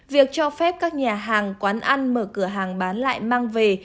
việc cho phép các nhà hàng quán ăn mở cửa hàng bán lại mang về